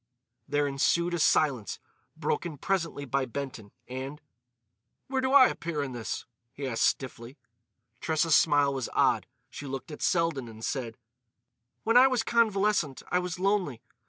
There ensued a silence, broken presently by Benton; and: "Where do I appear in this?" he asked stiffly. Tressa's smile was odd; she looked at Selden and said: "When I was convalescent I was lonely....